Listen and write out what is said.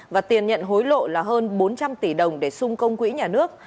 và tiền nhận hối lộ là hơn bốn trăm linh tỷ đồng để xung công quỹ nhà nước